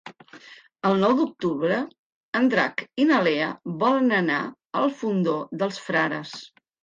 El nou d'octubre en Drac i na Lea volen anar al Fondó dels Frares.